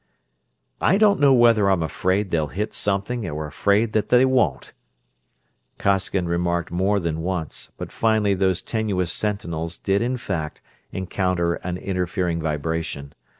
"I don't know whether I'm afraid they'll hit something or afraid that they won't," Costigan remarked more than once, but finally those tenuous sentinels did in fact encounter an interfering vibration.